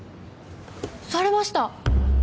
されました！